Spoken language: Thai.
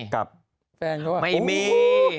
กับไม่มี